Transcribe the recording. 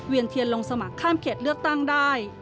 เทียนลงสมัครข้ามเขตเลือกตั้งได้